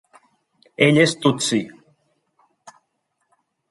Ell és tutsi.